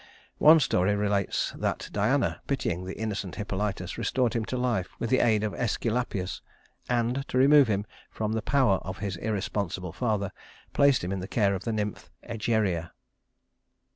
One story relates that Diana, pitying the innocent Hippolytus, restored him to life with the aid of Æsculapius; and, to remove him from the power of his irresponsible father, placed him in the care of the nymph Egeria.